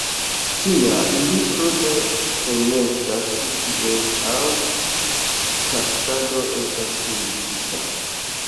Tia libro ne enestas ĉi tie aŭ taksado estas indikita.